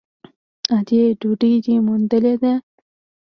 _ادې ! ډوډۍ دې موندلې ده؟